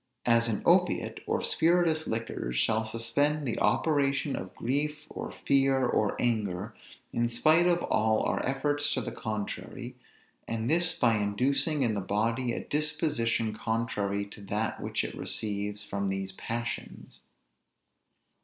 As an opiate, or spirituous liquors, shall suspend the operation of grief, or fear, or anger, in spite of all our efforts to the contrary; and this by inducing in the body a disposition contrary to that which it receives from these passions.